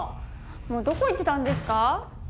もうどこ行ってたんですか？